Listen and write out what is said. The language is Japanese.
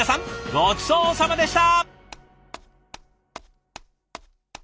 ごちそうさまでした！